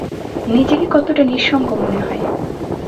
নিজেকে কতটা নিঃসঙ্গ মনে হয়।